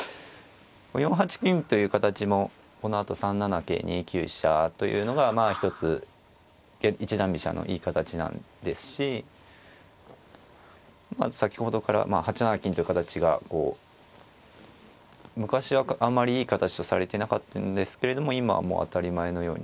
４八金という形もこのあと３七桂２九飛車というのがまあ一つ一段飛車のいい形ですし先ほどから８七金という形がこう昔はあんまりいい形とされてなかったんですけれども今はもう当たり前のように。